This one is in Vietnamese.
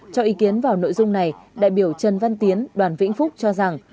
cho ý kiến vào nội dung này đại biểu trần văn tiến đoàn vĩnh phúc cho rằng